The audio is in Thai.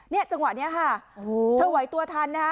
นี่จังหวะนี้ค่ะเธอไว้ตัวทันนะ